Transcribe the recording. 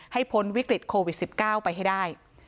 พ้นวิกฤตโควิด๑๙ไปให้ได้